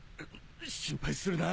心配するな。